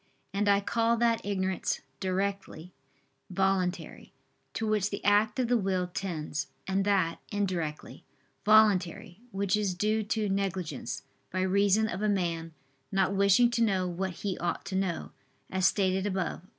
And I call that ignorance "directly" voluntary, to which the act of the will tends: and that, "indirectly" voluntary, which is due to negligence, by reason of a man not wishing to know what he ought to know, as stated above (Q.